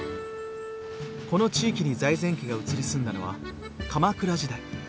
この地域に財前家が移り住んだのは鎌倉時代。